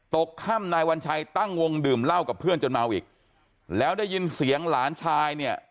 ตกค่ำนายวัญชัยตั้งวงดื่มเหล้ากับเพื่อนจนเมาอีกแล้วได้ยินเสียงหลานชายเนี่ย